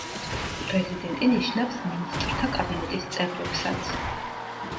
პრეზიდენტი ნიშნავს მინისტრთა კაბინეტის წევრებსაც.